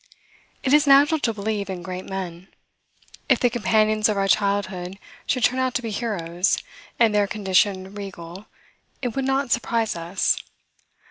It is natural to believe in great men. If the companions of our childhood should turn out to be heroes, and their condition regal, it would not surprise us.